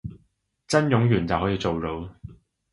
真冗員就可以做到